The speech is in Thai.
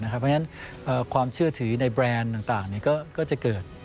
เพราะฉะนั้นความเชื่อถือในแบรนด์ต่างก็จะเกิด